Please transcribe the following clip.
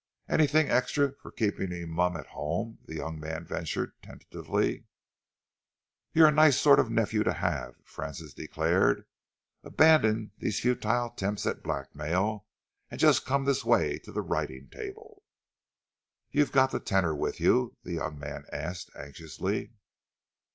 "Anything extra for keeping mum at home?" the young man ventured tentatively. "You're a nice sort of nephew to have!" Francis declared. "Abandon these futile attempts at blackmail and just come this way to the writing table." "You've got the tenner with you?" the young man asked anxiously.